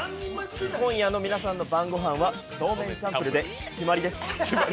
今夜の皆さんの晩御飯は、そうめんチャンプルで決まりです。